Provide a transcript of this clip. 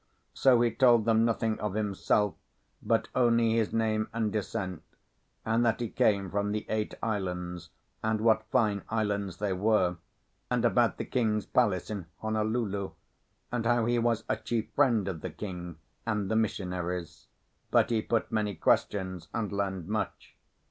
So he told them nothing of himself, but only his name and descent, and that he came from the Eight Islands, and what fine islands they were; and about the king's palace in Honolulu, and how he was a chief friend of the king and the missionaries. But he put many questions and learned much.